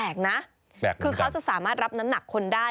แปลกเหมือนกันคือเขาจะสามารถรับน้ำหนักคนได้